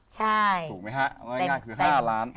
ใช่ถูกไหมห้าเรื่องงานคือห้าร้านอ่า